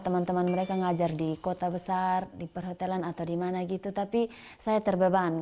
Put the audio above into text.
teman teman mereka ngajar di kota besar di perhotelan atau di mana gitu tapi saya terbeban